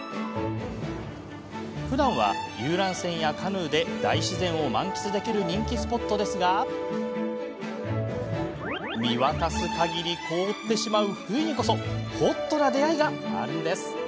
ふだんは遊覧船やカヌーで大自然を満喫できる人気スポットですが見渡すかぎり凍ってしまう冬にこそホッとな出会いがあるんです。